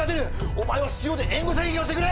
お前は塩で援護射撃をしてくれ！